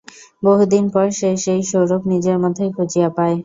বহুদিন পর সে সেই সৌরভ নিজের মধ্যেই খুঁজিয়া পায়।